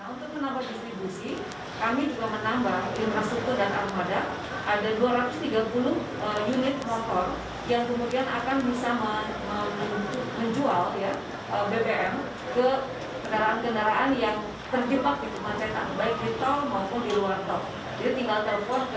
untuk menambah distribusi kami juga menambah infrastruktur dan armada